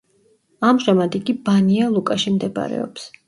ამჟამად, იგი ბანია-ლუკაში მდებარეობს.